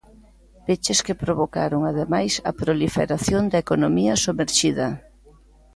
Peches que provocaron ademais a proliferación da economía somerxida.